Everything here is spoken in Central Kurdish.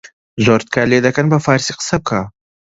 «زۆر تکات لێ دەکەن بە فارسی قسە بکە